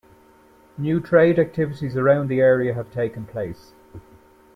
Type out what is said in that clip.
New trade activities around the area have taken place.